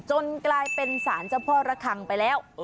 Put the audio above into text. กลายเป็นสารเจ้าพ่อระคังไปแล้ว